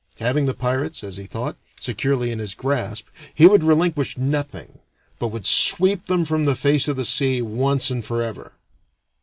Having the pirates, as he thought, securely in his grasp, he would relinquish nothing, but would sweep them from the face of the sea once and forever.